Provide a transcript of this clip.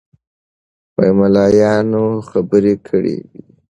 ملایانو خبرې کړې وې.